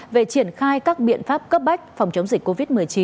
về triển khai các biện pháp cấp bách phòng chống dịch covid một mươi chín